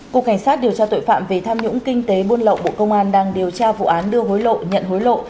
cục cảnh sát điều tra tội phạm về tham nhũng kinh tế buôn lậu bộ công an đang điều tra vụ án đưa hối lộ nhận hối lộ